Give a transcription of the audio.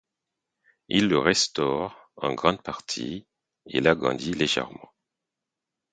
Il le restaure en grande partie, et l'agrandit légèrement.